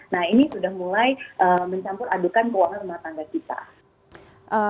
nah ini sudah mulai mencampur adukan keuangan rumah tangga kita